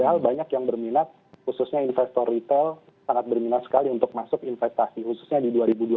padahal banyak yang berminat khususnya investor retail sangat berminat sekali untuk masuk investasi khususnya di dua ribu dua puluh